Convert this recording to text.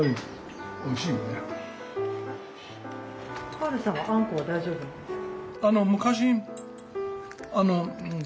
カールさんはあんこは大丈夫なんですか？